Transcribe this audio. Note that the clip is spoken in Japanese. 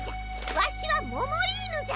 わしはモモリーヌじゃ！